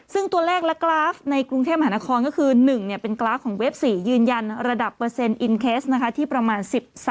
ซึ่งตัวเลขและกราฟในกรุงเทพมหานครก็คือ๑เป็นกราฟของเวฟ๔ยืนยันระดับเปอร์เซ็นอินเคสนะคะที่ประมาณ๑๓